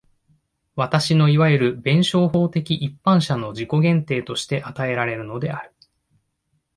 私のいわゆる弁証法的一般者の自己限定として与えられるのである。